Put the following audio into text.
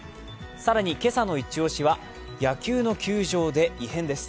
更に今朝の一押しは野球の球場で異変です。